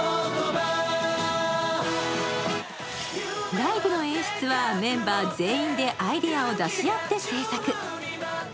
ライブの演出はメンバー全員でアイデアを出し合って制作。